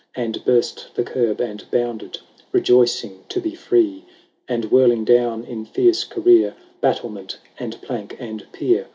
And burst the curb, and bounded, Rejoicing to be free. And whirling down, in fierce career, Battlement, and plank, and pier.